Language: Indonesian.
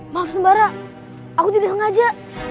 maaf sembara aku tidak sengaja